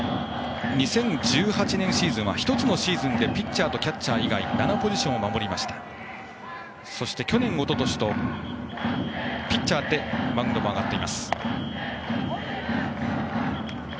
２０１８年シーズンは１つのシーズンでピッチャーとキャッチャー以外７ポジションを守りまして去年、おととしとピッチャーとしてマウンドに上がっています。